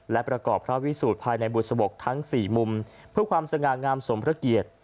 และประกอบพระวิสูจนภายในบุษบกทั้ง๔มุมเพื่อความสง่างามสมพระเกียรติ